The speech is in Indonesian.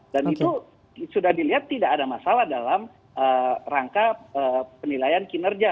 dan itu sudah dilihat tidak ada masalah dalam rangka penilaian kinerja